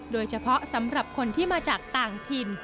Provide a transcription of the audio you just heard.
โดยเฉพาะสำหรับคนที่มาจากต่างถิ่น